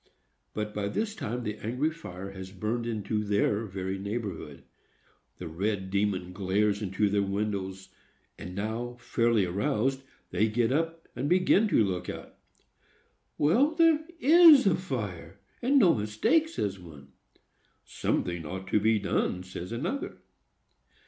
But by this time the angry fire has burned into their very neighborhood. The red demon glares into their windows. And now, fairly aroused, they get up and begin to look out. "Well, there is a fire, and no mistake!" says one. "Something ought to be done," says another.